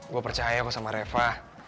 gue percaya sama reva